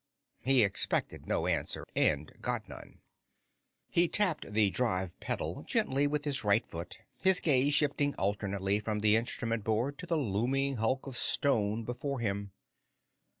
He expected no answer, and got none. He tapped the drive pedal gently with his right foot, his gaze shifting alternately from the instrument board to the looming hulk of stone before him.